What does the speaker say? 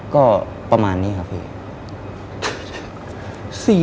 ก็ประมาณนี้ครับพี่